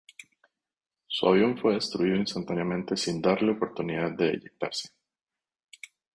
Su avión fue destruido instantáneamente sin darle oportunidad de eyectarse.